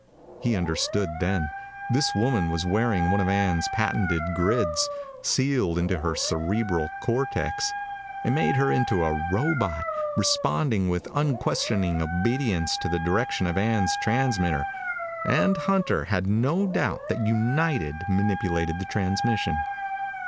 He understood, then. This woman was wearing one of Ann's patented grids, sealed into her cerebral cortex. It made her into a robot, responding with unquestioning obedience to the direction of Ann's transmitter. And Hunter had no doubt that United manipulated the transmission.